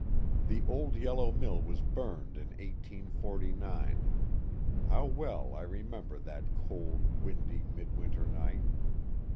The old yellow mill was burned in 1849. How well I re member that cold, windy, midwinter night!